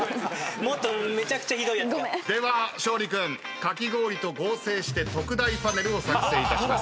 ごめん。では勝利君かき氷と合成して特大パネルを作成いたします。